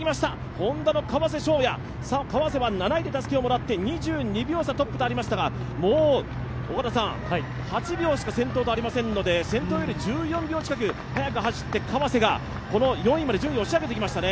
Ｈｏｎｄａの川瀬翔矢は７位でたすきをもらって２２秒差トップとありましたが、８秒しか先頭とありませんので先頭より１４秒近く速く走って川瀬がこの４位まで順位を押し上げてきましたね。